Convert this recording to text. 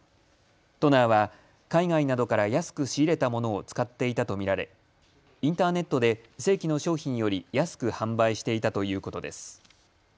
トナーは海外などから安く仕入れたものを使っていたと見られインターネットで正規の商品より安く販売していたということです。